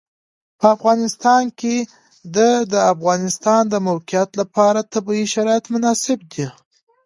په افغانستان کې د د افغانستان د موقعیت لپاره طبیعي شرایط مناسب دي.